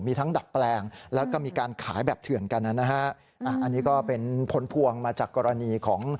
มีทั้งดัดแปลงแล้วก็มีการขายแบบเถื่อนกันนะฮะอันนี้ก็เป็นผลพวงมาจากกรณีของ